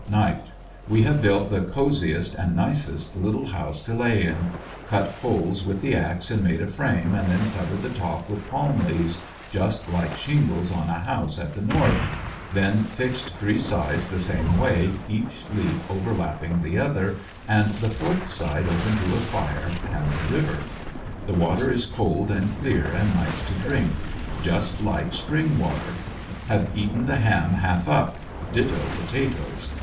Night. — We have built the cosy est and nicest little house to lay in. Cut poles with the axe and made a frame, and then covered the top with palm leaves just like shingles on a house at the North, FINAL ESCAPE. 149 then fixed three sides the same way, each leaf overlapping the other, and the fourth side open to a fire and the river. The water is cold and clear and nice to drink; just like spring water. Have eaten the ham half up ; ditto potatoes.